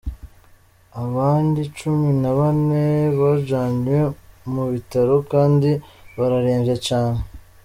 Abandi cumi na bane bajanywe mu bitaro kandi bararemvye cane.